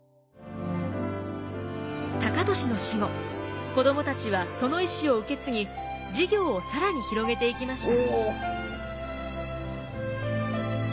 高利の死後子どもたちはその意思を受け継ぎ事業を更に広げていきました。